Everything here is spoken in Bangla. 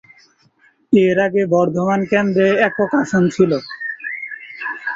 এর আগে বর্ধমান কেন্দ্রে একক আসন ছিল।